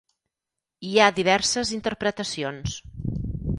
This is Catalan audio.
Hi ha diverses interpretacions.